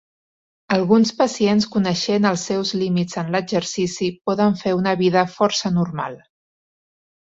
Alguns pacients coneixent els seus límits en l'exercici, poden fer una vida força normal.